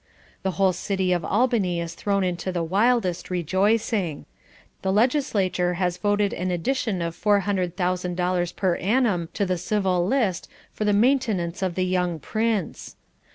The whole city of Albany is thrown into the wildest rejoicing. The legislature has voted an addition of $400,000 per annum to the civil list for the maintenance of the young prince.